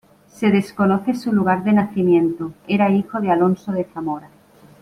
Se desconoce su lugar de nacimiento, era hijo de Alonso de Zamora.